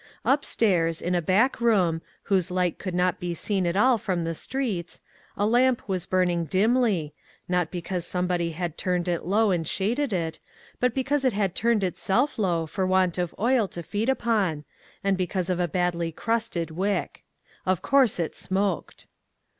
Upstairs, in a back room, whose light could not be seen at all from the streets, a lamp was burning dimly, not because some body had turned it low and shaded it, but because it had turned itself low for want of oil to feed upon, and because of a badly crusted wick. Of course it smoked.